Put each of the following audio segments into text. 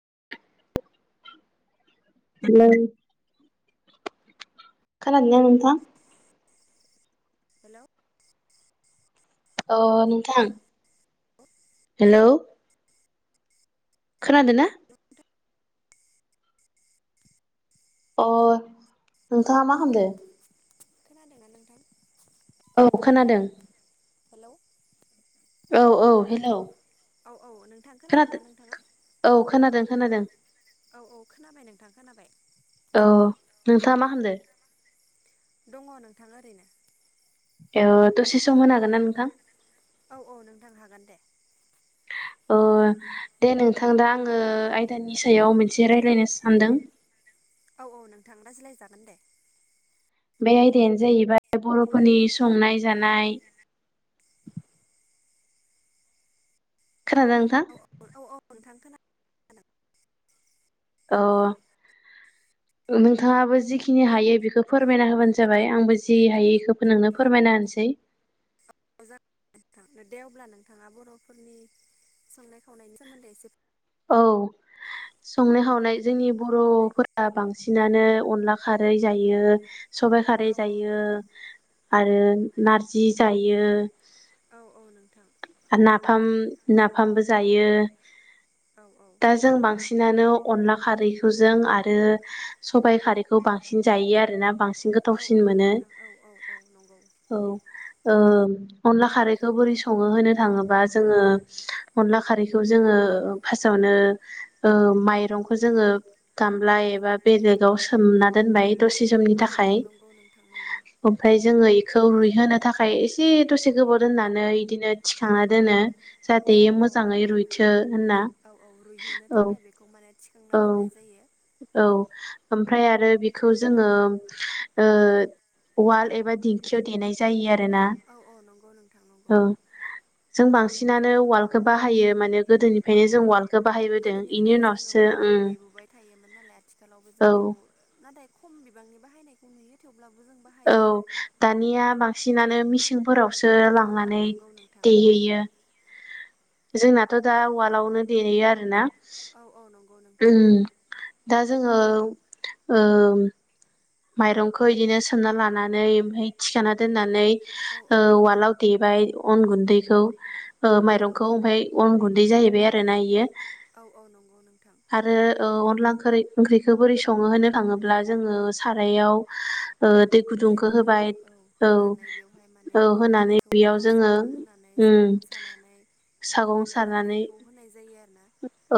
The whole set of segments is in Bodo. [unintelligible] खोनादों ना नोंथां हेलौ अ नोंथां हेलौ खोनादों ना अ नोंथाङा मा खामदों खोनादोंना नोंथां औ खोनादों हेलौ औ औ हेलौ औ औ नोंथां खोनादों खोनादोंना नोंथाङा औ खोनादों खोनादों। औ औ खोनाबाय नोंथां खोनाबाय औ नोंथाङा मा खामदो? दङ नोंथां ओरैनो एउ दसे सम होनो हागोनना नोंथां? औ औ नोंथां हागोन दे ओ दे नोंथां दा आङो आयदानि सायाव मोनसे रायलायनो सानदों। [inaudible] औ औ नोंथां रायज्लायजागोन दे। बे आयदायानो जायैबाय बर'फोरनि संनाय जानाय खोनादों नोंथां औ औ औ औ नोंथां खोनादों औ नोंथाङाबो जिखिनि हायो बेखौ फोरमायना होबानो जाबाय आंबो जि हायो बेखौ नोंनो फोरमायना होनोसै [inaudible] [unintelligible] थां दे अब्ला नोंथाङा बर'फोरनि संनाय खावनायनि सोमोन्दै एसे औ संनाय खावनाय जोंनि बर'फोरा बांसिनानो अनला खारै जायो। सबाइ खारै औ औ जायो नोंथां आरो नारजि जायो‌। औ औ नों नाफामबो जायो। औ औ दा जों बांसिनानो अनला खारैखौ जों आरो सबाय खारैखौ बांसिन जा जायो आरोना बांसिन औ गोथावसिन औ मोनो नोंथां औ औ नंगौ गामला औ ओ अनला खारैखौ बोरै सङो होनो थाङोबा जोङो अनला खारैखौ जोङो फास सावनो ओ माइरंखौ जोङो गामला एबा बेलेगाव सोमना दोनबाय दसे समनि औ थाखाय औ नंगौ नोंथां नंगौ ओमफ्राय जोङो इ खौ रुइहोनो थाखाय एसे दसे गोबाव दोननानै बिदिनो थिखांना दोनो। जाहाथे औ औ मोजाङै नंगौ नोंथां रुइथो होनना औ औ रुइहोनो औ थाखाय बेखौ माने औ थिखांना दोननाय जायो। औ ओमफ्राय आरो बिखौ जोङो ओ उवाल एबा दिंखियाव देनाय जायो आरो औ औ नंगौ नोंथां नंगौ। जों बांसिनानो उवालखौ बाहायो माने औ गोदोनिफ्रायनो जों औ उवाल गोदोनिफ्राय जोङो उालाव दैबोबाय थायोमोन नालाय आथिखालावबो जों औ बेखौ नाथाय खम बिबांनि बाहायनायखौ नुयो थेव औ दानिया बांसिनानो मिसिंफोराव सो औ औ लांनानै नंगौ नोंथां औ देहैयो। जोंनाथ' दा उवालआवनो देहैयो आरोना। औ औ नंगौ नोंथां उम दा जोङो ओ माइरंखौ इदिनो सोमना लानानै ओमफ्राय थिखाना दोननानै औ औ नंगौ उवालाव देबाय अन गुन्दैखौ औ माइरंखौ ओमफ्राय अन गुन्दै जाहैबाय आरोना बियो औ औ नंगौ नोंथां आरो औ अनला ओं ओंख्रिखौ बोरै संङो होननो थाङोब्ला जोङो सारायाव ओ दै गुदुंखौ गुदुं होबाय औ होनानै बेवहाय माने औ अन होनानै गुन्दैखौ बेयाव जोङो गारसोमना होनानै। उम सागं सानानै बेवहाय सागं माने सारनानै खारैखौ होनाय जायो आरो ना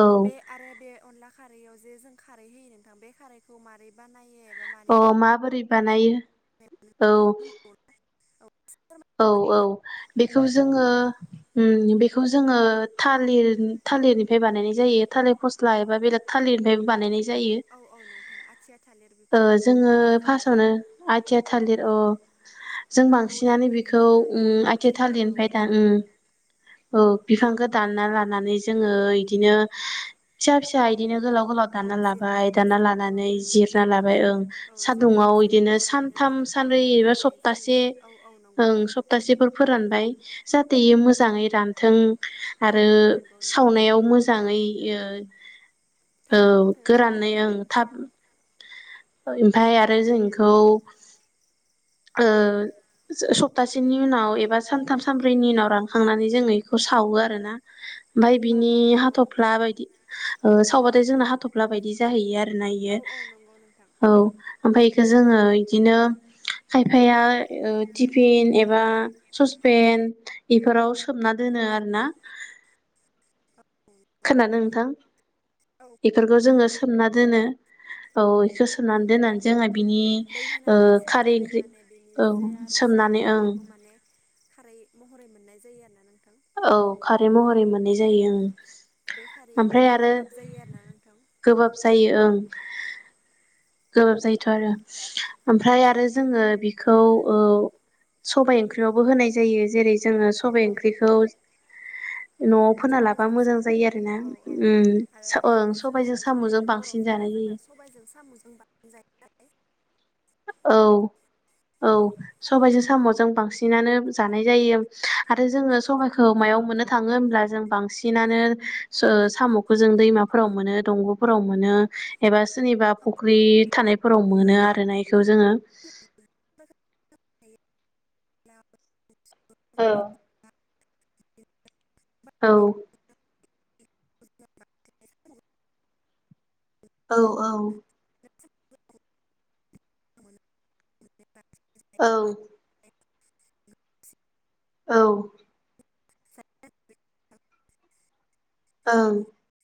औ बे आरो बे अनला खारैआव जे जों खारै होयो नोंथां बे खारैखौ मारै बानायो। एबा अ मानिफ्राय माबोरै बानायो औ। नोंथाङा मिथिगौ ना औ एसे औ औ फोरमायना हो नोंथां बेखौ जोङो उम बेखौ जोङो थालिर थालिरनिफ्राय बानायनाय जायो थालिर फस्ला एबा बेलेग थालिरनिफ्राय बानायनाय जायो। औ औ नोंथां आथिया थालिर ओ बिफांनिफ्राय जोङो बानायनाय जायो फार्सावनो आथिया थालिर ओ बिफांखौ दानफायग्रो खौ आथिया थालिरनिफ्राय दा औ बिफांखौ दानना लानानै जोङो इदिनो फिसा फिसा इदिनो गोलाव गलाव औ दानना लाबाय जिरनानै दानना लानानै सान्दुङाव जिरना लाबाय ओं औ सान्दुुंयाव जिरनानै इदिनो सान्दुङाव रानहोनो सानथाम। थाखाय सानब्रै एबा फोराननाय जायो सप्तासे औ औ नंगौ ओं नोंथां। सप्तासेफोर फोरानबाय। जाहाथे इयो मोजाङै रानथों औ आरो औ नंगौ नोंथां सावनायाव मोजाङै। औ थाब खामथो गोरानै होननानै ओं औ थाब ओमफाय आरो जों इखौ। सप्तासेनि उनाव एबा सानथाम सानब्रैनि उनाव रांखांनानै। जों बेखौ सावो आरोना ओमफ्राय औ बिनि औ नंगौ हाथफ्ला नोंथां। बायदि ओ साव जोंना हाथफ्ला बायदि जाहैयो आरोना इयो औ औ नंगौ नोंथां औ आमफाय इखौ। जोङो बिदिनो। खायफाया टिफिन एबा ससपेन इफोराव सो सोमना दोनो आरो ना खोनादों नोंथां। औ बेफोरखौ जोङो नोंथां सोमना दोनो औ बेखौ सोमनानै दोननानै जोंङो। दै होनानै सोमनानै माने बेनि औ जे आरो रोसि सोमनानै ओंखारो ओं बेखौ माने। [inaudible] औ खारै महरै औ मोननाय जायो ओं बे खारैया माने ओमफ्राय आरो। गोबाब जायो आरोना नोंथां गोबाब जायो ओं। गोबाब जायोथ' आरो ओमफ्राय आरो जोङो बिखौ ओ सबाइ ओंख्रियावबो होनाय जायो जेरै जोङो औ सबाइ औ ओंख्रिखौ। नोंथां न'आव फोना लाबा सबायजों मोजां साम' जायो आरोना औ औ उ आरो ओं बिदिनो जोङो सबायजों जेरै साम'जों बांसिन। बरफोरा जानाय जोंना जायो सबायजों साम'जों बांसिन जायो नालाय। औ। औ सबाइजों साम' जों बांसिनानो जानाय जायो आरो जोङो सबाइखौ मायाव। मोननो थाङो होब्ला जों बांसिनानो साम'खौ जों दैमाफोराव मोनो दंग'फोराव मोनो। एबा सोरनिबा फख्रि थानायफोराव मोनो आरो ना। खौ जोङो। औ। औ। औ औ। औ। औ। नालाय ओं।